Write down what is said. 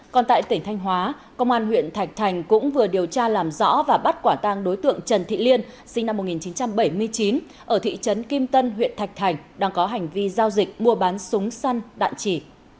còn tại tỉnh thanh hóa công an huyện thạch thành cũng vừa điều tra làm rõ và bắt quả tang đối tượng trần thị liên sinh năm một nghìn chín trăm bảy mươi chín ở thị trấn kim tân huyện thạch thành đang có hành vi giao dịch mua bán súng săn đạn chỉ